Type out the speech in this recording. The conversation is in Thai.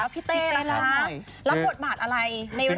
พี่เต้ละแล้วบทบาทอะไรในเรื่องนี้